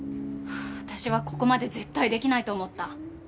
私はここまで絶対できないと思った。